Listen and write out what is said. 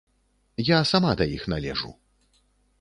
Я сама да іх належу.